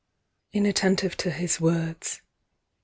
MARY (inattentive to his words.)